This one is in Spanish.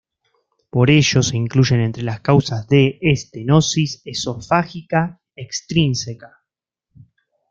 Por ello, se incluyen entre las causas de estenosis esofágica extrínseca..